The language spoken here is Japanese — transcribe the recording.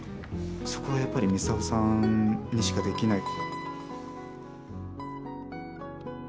そこはやっぱりミサオさんにしかできない。